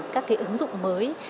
các ứng dụng mới